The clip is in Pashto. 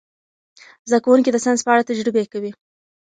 زده کوونکي د ساینس په اړه تجربې کوي.